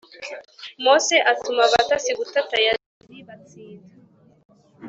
Mose atuma abatasi gutata Yazeri batsinda